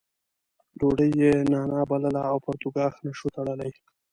ډوډۍ یې نانا بلله او پرتوګاښ نه شوای تړلی.